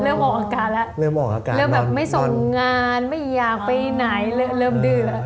เริ่มออกอาการแล้วเริ่มออกอาการเริ่มแบบไม่ส่งงานไม่อยากไปไหนเริ่มดื้อแล้ว